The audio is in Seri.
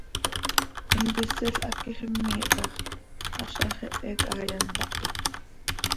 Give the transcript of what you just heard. Intisil haquix immiih tax ¿áz haxehe chaaya ntahit?